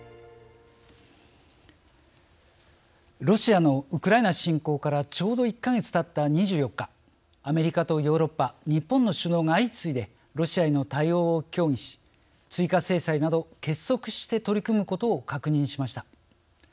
ロシアのウクライナ侵攻からちょうど１か月たった２４日アメリカとヨーロッパ日本の首脳が相次いでロシアへの対応を協議し追加制裁など結束して取り組むことを確認しました。